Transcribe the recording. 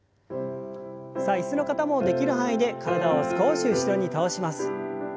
さあ椅子の方もできる範囲で体を少し後ろに倒します。